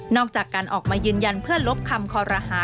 จากการออกมายืนยันเพื่อลบคำคอรหา